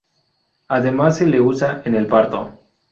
Además se le usa en el parto.